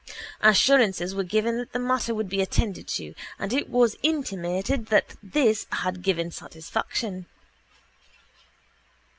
Assurances were given that the matter would be attended to and it was intimated that this had given satisfaction.